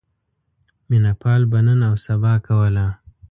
مینه پال به نن اوسبا کوله.